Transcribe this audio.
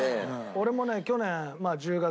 俺もね去年１０月。